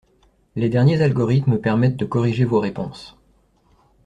Les derniers algorithmes permettent de corriger vos réponses